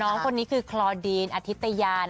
น้องคนนี้คือคลอดีนอธิตยาน